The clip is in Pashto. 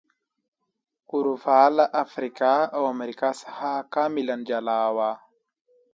اروپا له افریقا او امریکا څخه کاملا جلا و.